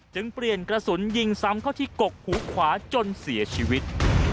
จึงเปลี่ยนกระสุนยิงซ้ำเข้าที่กกหูขวาจนเสียชีวิต